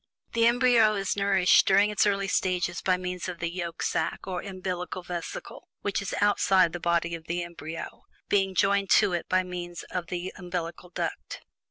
The embryo is nourished during its earlier stages by means of the "yolk sack," or "umbilical vesicle," which is outside the body of the embryo, being joined to it by means of the umbilical duct.